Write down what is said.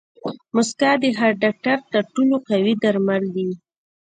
موسکا د هر ډاکټر تر ټولو قوي درمل دي.